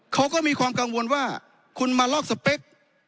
เขาก็มีความกังวลว่าคุณมาลอกสเปค